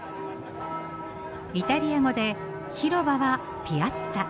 イタリア語で「広場」は「ピアッツァ」。